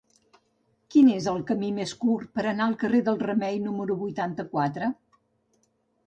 Quin és el camí més curt per anar al carrer del Remei número vuitanta-quatre?